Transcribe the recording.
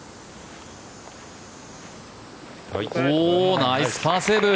ナイスパーセーブ。